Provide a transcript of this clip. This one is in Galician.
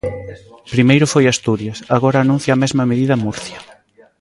Primeiro foi Asturias, agora anuncia a mesma medida Murcia.